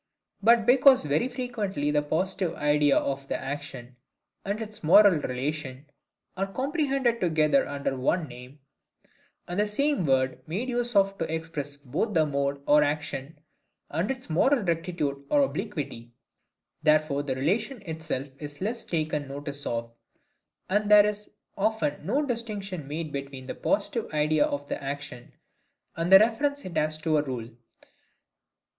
But because very frequently the positive idea of the action, and its moral relation, are comprehended together under one name, and the same word made use of to express both the mode or action, and its moral rectitude or obliquity: therefore the relation itself is less taken notice of; and there is often no distinction made between the positive idea of the action, and the reference it has to a rule.